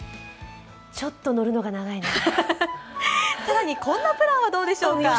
ちょっと乗るのが長いなさらにこんなプランはどうでしょうか。